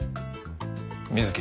水木。